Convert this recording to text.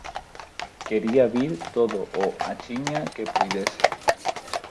Quería vir todo o axiña que puidese.